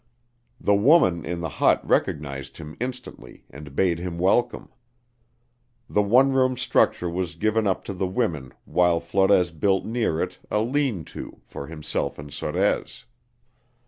The woman in the hut recognized him instantly and bade him welcome. The one room structure was given up to the women while Flores built near it a leanto for himself and Sorez.